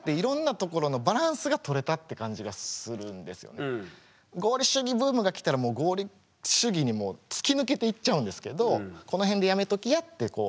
何かだからすごくその合理主義ブームが来たらもう合理主義に突き抜けていっちゃうんですけどこのへんでやめときやってこう。